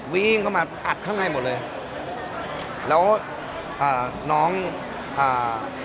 วิ่งเข้ามาอัดข้างในหมดเลยแล้วอ่าน้องอ่า